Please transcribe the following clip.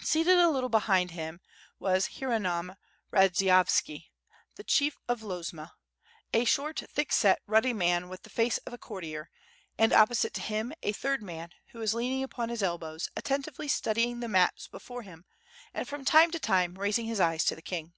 Seated a little behind him was Hieronom Radzieyovski the chief of Lomza, a short, thick set, ruddy man with the face of a courtier; and opposite to him a third man who was lean ing upon his elbows, attentively studying the maps before him, and from time to time raising his eyes to the king.